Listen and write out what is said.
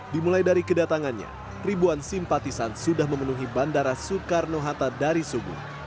dimulai dari kedatangannya ribuan simpatisan sudah memenuhi bandara soekarno hatta dari subuh